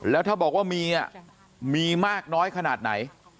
แล้วถ้าบอกว่ามีมีมากน้อยขนาดไหน